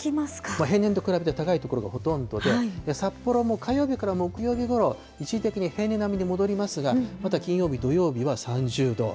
平年と比べて高い所がほとんどで、札幌も火曜日から木曜日ごろ、一時的に平年並みに戻りますが、また金曜日、土曜日は３０度。